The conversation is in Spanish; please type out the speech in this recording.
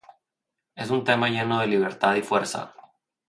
Es un tema lleno de libertad y fuerza.